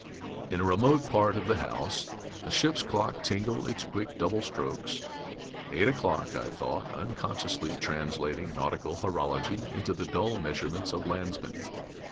In a remote part of the house a ship's clock tingled its quick double strokes.... Eight o'clock, I thought, unconsciously translating nautical horology into the dull measurements of landsmen.